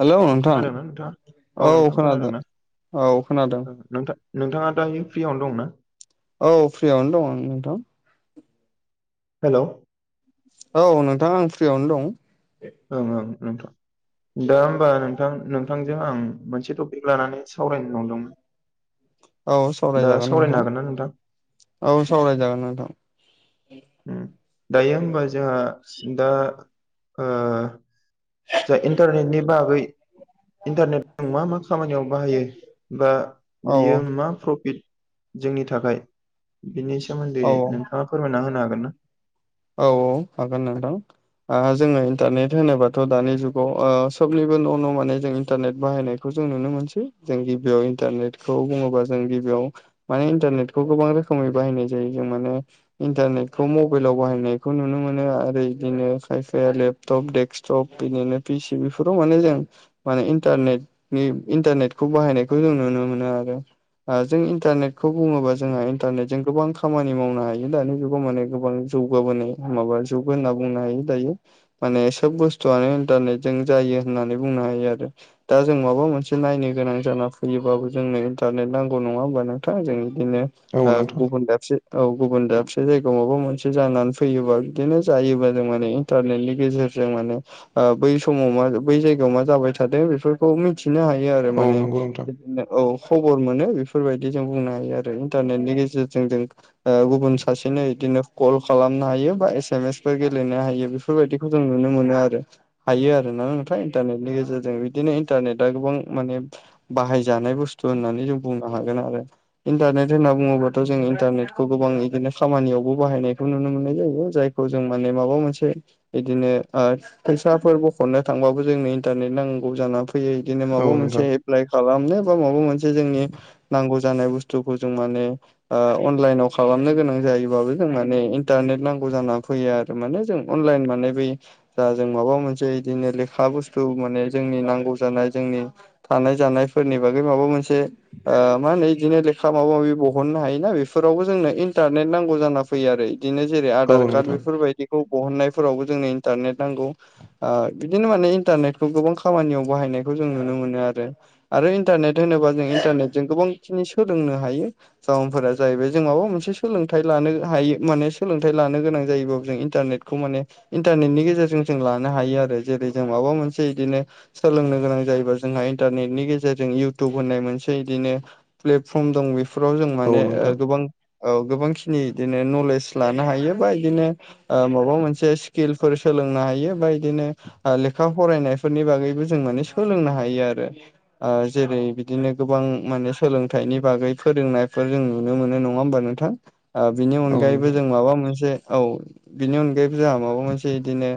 Hello औ नोंथां खोनादोंना नोंथाङा? औ खोनादों। औ खोनादों। थां नोंथाङा दा फ्रियावनो दंना? औ फ्रियावनो दङ' नोंथां हेल' औ नोंथां आं फ्रियावनो दं। ओं ओं नोंथां दा होमबा नोंथां। नोंथां नोंथांजों आं मोनसे टपिक लानानै सावरायनो नंदोंमोन। औ दा सावरायजागोन सावरायनो नोंथां हागोन ना नोंथां? औ सावरायजागोन नोंथां। दायो होमबा जोंहा दा ओ जा इन्टारनेटनि बागै इन्टारनेट मा मा खामानियाव बाहायो दा औ औ बियो मा प्रफिट जोंनि थाखाय बिनि सोमोन्दै औ औ नोंथाङा फोरमायना होनो हागोन ना? औ औ हागोन नोंथां। जोङो इन्टारनेट होनोबाथ' दानि जुगाव सबनिबो न' न' माने जों इन्टारनेट बाहायनाय खौ जों नुनो मोनसै जों गिबियाव इन्टारनेटखौ बुङोबा जों गिबियाव माने इन्टारनेटखौ गोबां रोखोमै बाहायनाय जायो जों माने इन्टारनेटखौ मबाइलाव बाहायनायखौ नुनो मोनो आरो बिदिनो खायफाया लेपटप दडेक्कटप बिनिनो फि सि बेफोराव माने जों माने इन्टारनेटनि इन्टारनेटखौ बाहायनायखौ जों नुनो मोनो आरो ओ जों इन्टारनेटखौ बुङोबा जोंहा इन्टारनेटजों गोबां खामानि मावनो हायो दानि जुगाव माने गोबां जौगाबोनाय माबा जुग होनना बुंनो हायो दायो। माने सोब बुस्थुआनो इन्टारनेटजों जायो होननानै बुंनो हायो आरो। दा जों माबा मोनसे नायनो गोनां जाना फैयोबाबो जोंनो इन्टारनेट नांगौ नङा होमबा नोंथां जों बिदिनो औ ओ नोंथां गुबुन दाबसे औ गुबुन दाबसे जायगायाव माबा मोनसे बि जानानै फैयोबा बिदिनो जायोबा जों माने इन्टारनेटनि गेजेरजों माने बै समाव मा बै जायगायाव मा जाबाय थादों बेफोरखौ मिथिनो हायो आरो औ माने नंगौ नोंथां औ खबर मोनो बेफोरबायदि जों बुंनो हायो आरो इन्टारनेटनि गेजेरजों जों ओ गुबुन सासेनो बिदिनो कल खालामनो हायो बा एस एम एस फोर गेलेनो हायो बेफोरबायदिखौ जों नुनो मोनो आरो हायो आरोना नोंथा इन्टारनेटनि गेजेरजों बिदिनो इन्टारनेटआ गोबां माने बाहायजानाय बुस्थु होननानै जों बुंनो हागोन आरो। इन्टारनेट होनना बुङोबाथ' जों इन्टारनेटखौ गोबां बिदिनो खामानियावबो बाहायनायखौ नुनो मोननाय जायो। जायखौ जों माने माबा मोनसे बिदिनो ओ फैसाफोर बख'नो थांबाबो जोंनो इन्टारनेट नांगौ जानानै फैयो। बिदिनो औ माबा नोंथां मोनसे एफ्लाय खालामनो बा माबा मोनसे जोंनि नांगौ जानाय बुस्थुखौ जों माने ओ अनलाइनाव खालामनो गोनां जायोबाबो जों माने इन्टारनेट नांगौ जाना फैयो आरो माने जों अनलाइन माने बै दा जों माबा मोनसे इदिनो लेखा बुस्थु माने जोंनि नांगौ जानाय जोंनि थानाय जानायफोरनि बागै माबा मोनसे ओ मा होनो इदिनो लेखा माबा माबि बहननो हायोना बेफोरावबो जोंनो इन्टारनेट नांगौ जाना फैयो आरो इदिनो जेरै औ आधार कार्ड नोंथां बेफोरबायदिखौ बहननायफोरावबो जोंनो इन्टारनेट नांगौ। ओ बिदिनो माने इन्टारनेटखौ गोबां खामानियाव बाहायनायखौ जों नुनो मोनो आरो। आरो इन्टारनेट होनोबा जों इन्टारनेटजों गोबांखिनि सोलोंनो हायो। जाउनफोरा जाहैबाय जों माबा मोनसे सोलोंथाइ लानो हायो माने सोलोंथाइ लानो गोनां जायोबाबो जों इन्टारनेटखौ माने इन्टारनेटनि गेजेरजों जों लानो हायो आरो जेरै जों माबा मोनसे इदिनो सोलोंनो गोनां जायोबा। जोंहा इन्टारनेटनि गेजेरजों इउटुब होननाय मोनसे इदिनो प्लेटफर्म दं बेफोराव जों औ माने नोंथां गोबां ओ गोबांखिनि इदिनो नलेज लानो हायो बा इदिनो ओ माबा मोनसे स्किलफोर सोलोंनो हायो। बा इदिनो ओ लेखा फरायनायफोरनि बागैबो जों माने सोलोंनो हायो आरो। ओ जेरै बिदिनो गोबां माने सोलोंथाइनि बागै फोरोंनायफोर जों नुनो मोनो नङा ओमबा नोंथां? बिनि औ अनगायैबो नोंथां जों माबा मोनसे औ बिनि अनगायैबो जोंहा माबा मोनसे इदिनो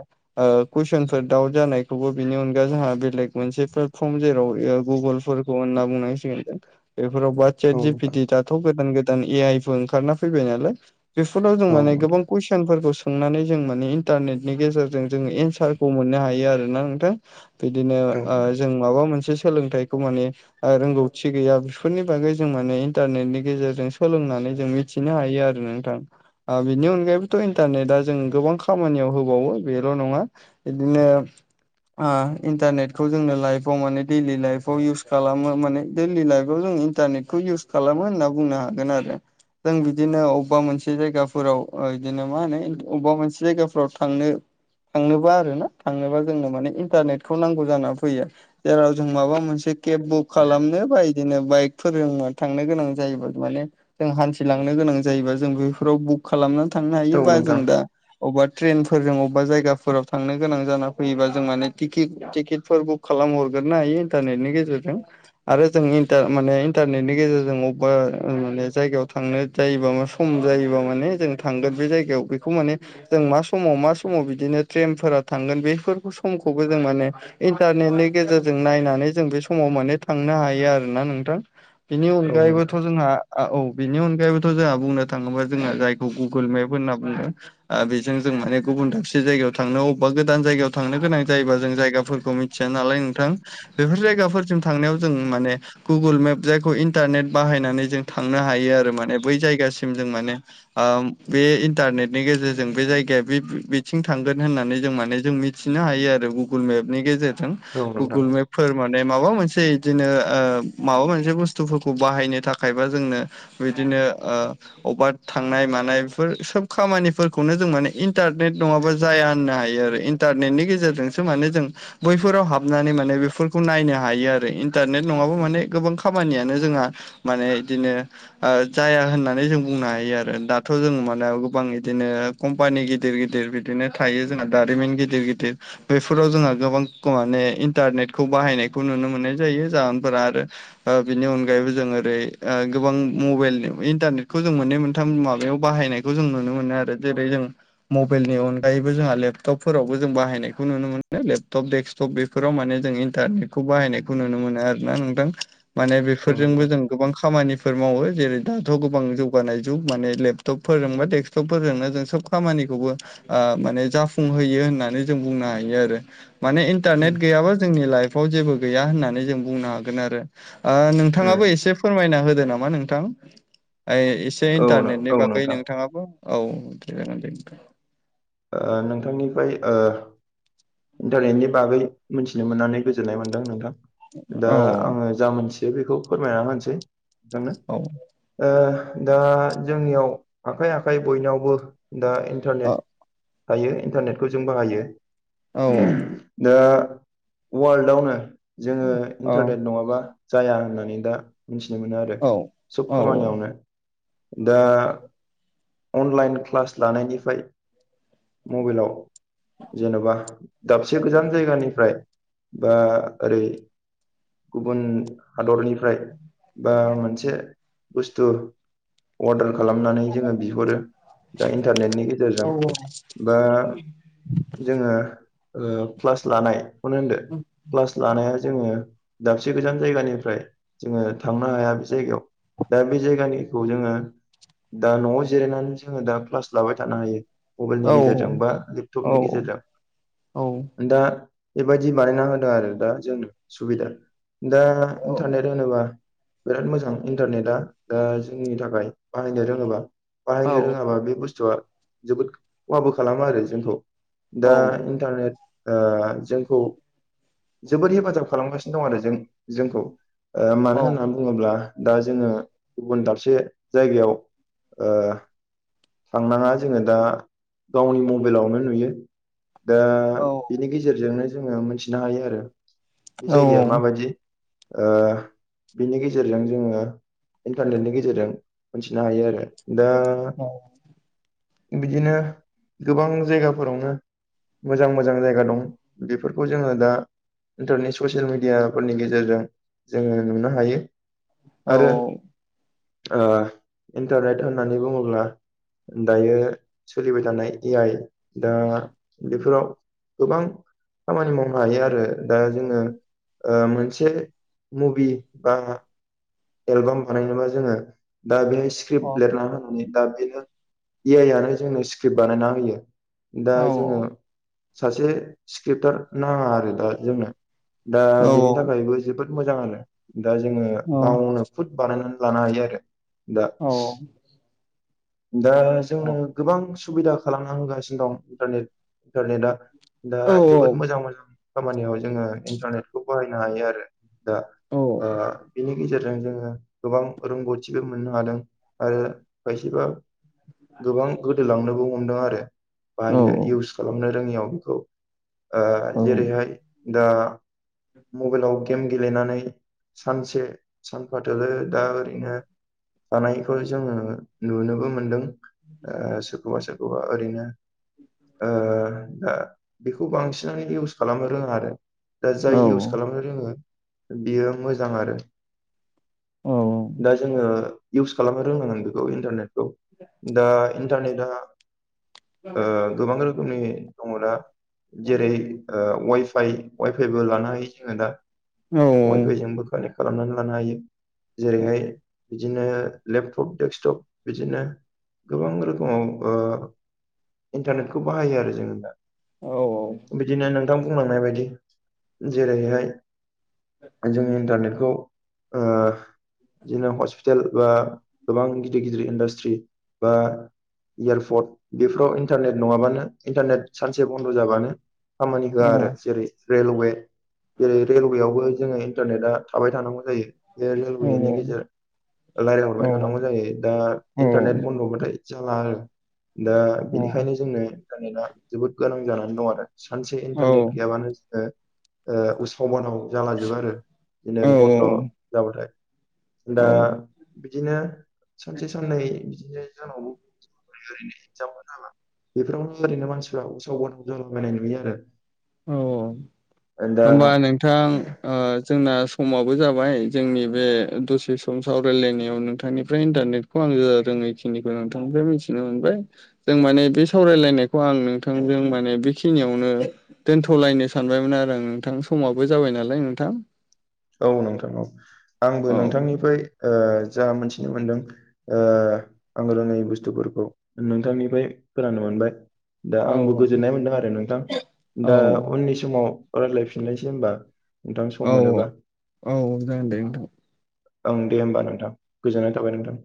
ओ कुइसनफोर दाउट जानायखौबो बिनि अनगा जोंहा बेलेग मोनसेफोर फ्रम जेराव ओ गुगोलफोरखौ होनना बुंनांसिगोन। जों बेफोराव वाट औ सेट नोंथां जिपिटि थ' गोदान गोदान ए आइ फोर ओंखारना फैबाय नालाय। बेफोराव जों औ माने गोबां कुइसनफोरखौ सोंनानै जों माने इन्टारनेटनि गेजेरजों जोङो एन्सारखौ मोननो हायो आरोना नोंथां। बिदिनो ओ जों माबा मोनसे सोलोंथाइखौ माने ओ रोंगौथि गैया बेफोरनि बागै जों माने इन्टारनेटनि गेजेरजों सोलोंनानै जों मिथ मिथिनो हायो आरो नोंथां। ओ बिनि अनगायैबोथ' इन्टारनेटआ जों गोबां खामानियाव होबावो बेल' नङा। इदिनो ओ इन्टारनेटखौ जोंनो लाइफआव माने दैलि लाइफआव इउस खालामो। माने दैलि लाइफआव जों इन्टारनेटखौ इउस खालामो होनना बुंनो हागोन आरो। जों बिदिनो अबेबा मोनसे जायगाफोराव ओ इदिनो मा होनो अबेबा मोनसे जायगाफोराव थांनो थांनोबा आरो ना थांनोबा जोंनो माने इन्टारनेटखौ नांगौ जाना फैयो। जेराव जों माबा मोनसे केब बुक खालामनो बा इदिनो बाइकफोरजों थांनो गोनां जायोबा माने जों हान्थिलांनो गोनां जायोबा जों बेफोराव बुक खालामनानै थांनो नोंथां हायो। औ बा जों नोंथां दा अबेबा ट्रेनफोरजों अबेबा जायगाफोराव थांनो गोनां जाना फैयोबा जों माने टिकिट टिकेटफोर बुक खालाम हरगोरनो हायो, इन्टारनेटनि गेजेरजों। आरो जों इन्टार माने इन्टारनेटनि गेजेरजों अबेबा माने जायगायाव थांनो जायोबा मा सम जायोबा माने जों थांगोन बे जायगायाव बेखौ माने जों मा समाव मा समाव बिदिनो ट्रेनफोरा थांगोन बेफोर। समखौबो जों माने इन्टारनेटनि गेजेरजों नायनानै जों बे समाव माने थांनो हायो आरोना नोंथां। बिनि औ अनगायैबोथ' नोंथां जोंहा आ औ। बेनि अनगायैबोथ' जोंहा बुंनो थाङोबा जोङो जायखौ गुगोल मेप होनना बुंदों। ओ बेजों जों माने गुबुन दाबसे जायगायाव थांनो अबेबा गोदान जायगायाव थांनो गोनां जायोबा जों जायगाफोरखौ मि थिया नालाय नोंथां बेफोर जायगाफोरसिम थांनायाव जों माने गुगोल मेप जायखौ इन्टारनेट बाहायनानै जों थांनो हायो आरो माने बै जायगासिम जों माने। ओ बे इन्टारनेटनि गेजेरजों बे जायगाया बे बिथिं थांगोन होननानै जों माने जों मि थिनो हायो आरो गुगोल मेपनि गेजेरजों औ नोंथां औ नोंथां गुगोल मेप फोर माने माबा मोनसे इदिनो ओ माबा मोनसे बुस्थुफोरखौ बाहायनो थाखायबा जोंनो बिदिनो ओ। अबेबा थांनाय मानाय बेफोर सोब खामानिफोरखौनो जों माने इन्टारनेट नङाबा जाया होननो हायो आरो। इन्टारनेटनि गेजेरजोंसो माने जों बैफोराव हाबनानै माने बेफोरखौ नायनो हायो। आरो इन्टारनेट नङाबा माने गोबां खामानियानो जोंहा माने इदिनो ओ जाया होननानै जों बुंनो हायो। आरो दाथ' जों माने गोबां इदिनो कम्पानि गिदिर गिदिर बिदिनो थायो जोंना दारिमिन गिदिर गिदिर। बैफोराव जोंहा गोबां माने इन्टारनेटखौ बाहायनायखौ नुनो मोननाय जायो जाहोनफोरा आरो आ बिनि अनगायैबो जों ओरै ओ गोबां मबाइल इन्टारनेटखौ जों मोननै मोनथाम माबायाव बाहायनायखौ जों नुनो मोनो आरो जेरै जों मबाइलनि अनगायैबो जोंहा लेपटपफोरावबो जों बाहायनायखौ नुनो मोनो। लेपटप डेक्स सब' बेफोराव माने जों इन्टारनेटखौ बाहायनायखौ नुनो मोनो आरोना नोंथां। माने औ बेफोरजोंबो नोंथां जों गोबां खामानि फोर मावो जेरै दाथ' गोबां जौगानाय जुग माने लेपटपफोरजोंबा डेक्सटपफोरजोंनो जों सब खामानिखौबो आ माने जाफुंहोयो होननानै जों बुंनो हायो आरो माने उम इन्टारनेट गैयाबा जोंनि लाइफआव जेबो गैया होननानै जों बुंनो हागोन। आरो ओ उम नोंथाङाबो एसे फोरमायना होदो नामा नोंथां ओइ एसे औ नों इन्टारनेटनि औ बागै नोंथां नोंथाङाबो। औ दे जागोन दे नोंथां। नोंथांनिफ्राय ओ इन्टारनेटनि बागै मोनथिनो मोननानै गोजोननाय मोनदों नोंथां दा औ आङो जा मोनसे जे बेखौ फोरमायना होनोसै नोंथांनो। औ ओ दा जोंनियाव आखाइ आखाइ बयनावबो दा इन्टारनेट। हायो इन्टारनेटखौ जों बाहायो। औ दा वर्ल्डआवनो जोङो इन्टारनेट नङाबा जाया होननानै दा मिथिनो मोनो आरो औ सोब औ खामानियावनो। दा अनलाइन क्लास लानायनिफ्राय मबेलाव। जेन'बा दाबसे गोजान जायगानिफ्राय बा ओरै गुबुन हादरनिफ्राय बा मोनसे बुस्थु अर्डार खालामनानै जोङो बिहरो। दा इन्टारनेटनि गेजेरजों बा जोङो ओ क्लास लानाय खौनो होनदो क्लास लानाया जोङो दाबसे गोजान जायगानिफ्राय जोङो थांनो हाया बे जायगायाव दा बे जायगानिखौ जोङो दा न'आव जिरायनानै जोङो दा क्लास लाबाय थानो हायो। मबाइलनि औ गेजेरजों बा लेपटपनि औ गेजेरजों दा बेबायदि बानायना होदों आरो दा जोंनो सुबिदा दा इन्टारनेट होनोबा बिराद मोजां इन्टारनेटा दा जोंनि थाखाय बाहायनो रोङोबा। औ बाहायनो रोङाबा बे बुस्थुआ जोबोद खहाबो खालामो आरो जोंखौ औ दा इन्टारनेट ओ जोंखौ जोबोर हेफाजाब खालामगासिनो दं आरो जों जोंखौ। ओ मानो होनना बुङोब्ला दा जोङो गुबुन दाबसे जायगायाव ओ थांनाङा। जोङो दा गावनि मबाइलावनो नुयो। दा औ बेनि गेजेरजोंनो जोङो मोनथिनो हायो आरो। बे औ जायगाया माबायदि? ओ बिनि गेजेरजों जोङो इन्टारनेटनि गेजेरजों मोनथिनो हायो। आरो दा औ बिदिनो गोबां जायगाफोरावनो मोजां मोजां जायगा दं। बे फोरखौ जोङो दा इन्टारनेट ससियेल मिडियाफोरनि गेजेरजों जोङो नुनो हायो। औ आरो ओ इन्टारनेट होननानै बुङोब्ला दायो सोलिबाय थानाय ए आइ दा बेफोराव गोबां। खामानि मावनो हायो। आरो दा जोङो ओ मोनसे मुभि बा एलबाम बानायनोबा जोङो दा बेहाय औ स्क्रिप्ट लिरना हो दा बेनो ए आइ आनो जोंनो स्क्रिप्ट बानायना होयो। दा औ जोङो सासे स्क्रिप्टार नाङा आरो दा जोंनो दा औ बिनि थाखायबो जोबोद मोजां। आरो दा जोङो औ गावनो खुद बानायनानै लानो हायो। आरो दा औ दा जोंनो गोबां सुबिदा खालामना होगासिनो दं इन्टारनेट इन्टारनेटआ। दा जोबोद मोजां मोजां खामानियाव जोङो इन्टारनेटखौ बाहायनो हायो। आरो दा आ बिनि नि गेजेरजों जोङो गोबां रोंगौथिबो मोननो हादों आरो खायसेबा गोबां गोदोलांनोबो हमदों आरो बाहायनो इउस खालामनो रोङियाव बेखौ ओ जेरैहाय दा मबाइलाव गेम गेलेनानै सानसे सानफा थोलो दा ओरैनो थानायखौ जोङो नुनोबो मो मोनदों आ सोरखौबा सोरखौबा ओरैनो दा ओ बेखौ बांसिनानो इउस खालामनो रोङा आरो दा जाय इउस खालामनो रोङो बियो मोजां। आरो दा जोङो इउस खालामनो रोंनांगोन बेखौ इन्टारनेटखौ दा इन्टारनेटआ ओ गोबां रोखोमनि दङ। दा जेरै ओ वाइफाइ वाइफाइबो लानानै जोङो दा वाइफाइ जोंबो कानेक्ट खालामनानै लानो हायो जेरैहाय बिदिनो लेपटप डेक्सकटप बिदिनो गोबां रोखोमाव ओ इन्टारनेटखौ बाहायो आरो जोङो दा। औ बिदिनो नोंथां बुंलांनाय बायदि जेरैहाय जोङो इन्टारनेटखौ ओ बिदिनो हस्पितेल बा गोबां गिदिर गिदिर इन्डास्ट्रि बा इयारपर्ट बेफोराव इन्टारनेट नङाबानो इन्टारनेट सानसे बन्द' जाबानो खामानि होआ आरो जेरै रेलवे जेरै रेलवेयावबो जोङो इन्टारनेटा थाबाय थानांगौ जायो। बे रेलवेनि गेजेर रायजलायहरबाय थानांगौ जायो। दा इन्टारनेट बाथाय जाला आरो दा बेनिखायनो जोंनो। इन्टारनेटआ जोबोद गोनां जानानै दं आरो सानसे इन्टारनेट गैयाबानो जोङो ओ उत्साव बादाव जाला जोबो आरो बिदिनो बन्द' जाबाथाय दा बिदिनो सानसे साननै बिदिनो जोंनावबो ओैजामा बेफोरावनो ओरैनो मानसिफ्रा उसाव गोनां जलाबायनाय नुयो आरो औ होमबा दा नोंथां आ जोंना समाबो जाबाय जोंनि बे दसे सम सावरायलायनायाव नोंथांनिफ्राय इन्टारनेट खौ आङो रोङैखिनिखौ नोंथांनिफ्राय मिथिनो मोनबाय। जों माने बे सावरायलायनायखौ आं नोंथांजों माने बेखिनियावनो दोनथ'लायनो सानबायमोन आरो आं नोंथां समाबो जाबाय नालाय नोंथां। औ नोंथां औ आंबो औ नोंथांनिफ्राय ओ जा मोनथिनो मोनदों ओ आंगो रोङै बुस्थुफोरखौ नोंथांनिफ्राय खोनानो मोनबाय। दा औ आंबो गोजोननाय मोनदों आरो नोंथां औ दा उननि समाव रायलायफिनलायनोसै होनबा। औ औ औ औ जागोन दे नोंथां। ओ दे होमबा नोंथां गोजोननाय थाबाय नोंथां।